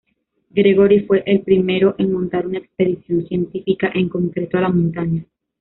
Gregory fue el primero en montar una expedición científica en concreto a la montaña.